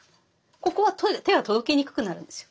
ここは手が届きにくくなるんですよ。